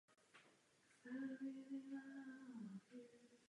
Važme si jich a mějme je v úctě.